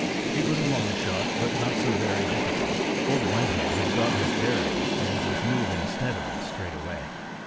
It was a long shot, but not so very difficult; Old Whitehead had got his bearings and was moving steadily, straight away.